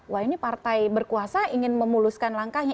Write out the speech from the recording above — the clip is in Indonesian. wah ini partai berkuasa ingin memuluskan langkahnya